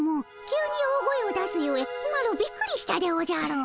急に大声を出すゆえマロびっくりしたでおじゃる。